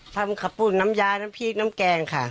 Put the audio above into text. ทำข้าวปุ่นน้ำยาน้ำพริกน้ำแกงค่ะ